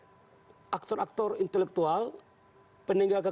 itu adalah merupakan bagian dari persoalan yang harus dituntaskan